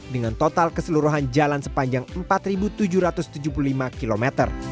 dengan total keseluruhan jalan sepanjang empat tujuh ratus tujuh puluh lima km